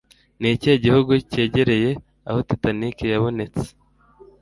Ni ikihe gihugu cyegereye aho Titanic yabonetse?